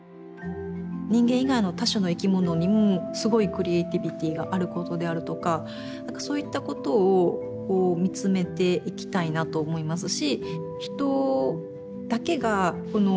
人間以外の他種の生き物にもすごいクリエーティビティーがあることであるとかなんかそういったことを見つめていきたいなと思いますし。